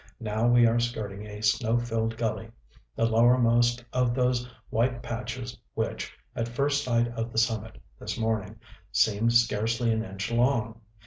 Now we are skirting a snow filled gully, the lowermost of those white patches which, at first sight of the summit this morning, seemed scarcely an inch long.